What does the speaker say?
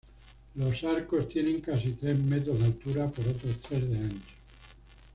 Los arcos tienen casi tres metros de altura por otros tres de ancho.